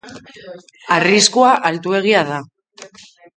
Arriskua altuegia da.